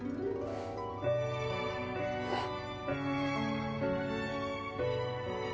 うん。